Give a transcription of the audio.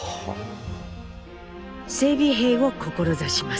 整備兵を志します。